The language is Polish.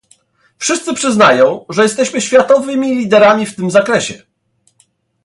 wszyscy przyznają, że jesteśmy światowymi liderami w tym zakresie